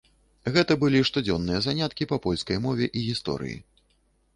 Гэта былі штодзённыя заняткі па польскай мове і гісторыі.